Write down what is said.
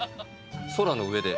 空の上で。